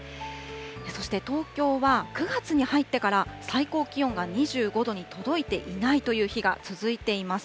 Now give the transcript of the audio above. そして東京は、９月に入ってから最高気温が２５度に届いていないという日が続いています。